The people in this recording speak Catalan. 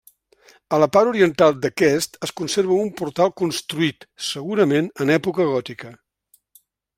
A la part oriental d'aquest es conserva un portal construït, segurament, en època gòtica.